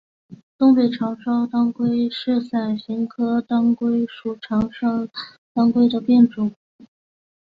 东北长鞘当归是伞形科当归属长鞘当归的变种。